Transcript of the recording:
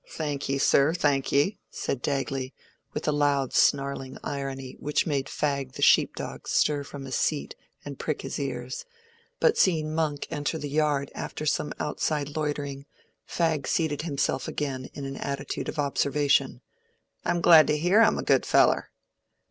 Thank ye, sir, thank ye," said Dagley, with a loud snarling irony which made Fag the sheep dog stir from his seat and prick his ears; but seeing Monk enter the yard after some outside loitering, Fag seated himself again in an attitude of observation. "I'm glad to hear I'm a good feller."